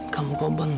kamu kok bengong